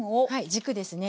軸ですね。